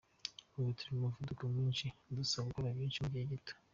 Ubu turi mu muvuduko mwinshi udusaba gukora byinshi mu gihe gito.